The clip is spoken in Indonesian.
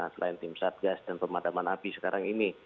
selain tim satgas dan pemadaman api sekarang ini